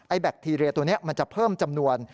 แบคทีเรียตัวนี้มันจะเพิ่มจำนวน